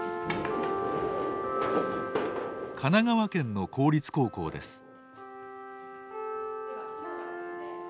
神奈川県の公立高校です。